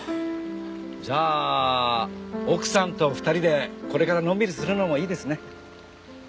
じゃあ奥さんと２人でこれからのんびりするのもいいですね。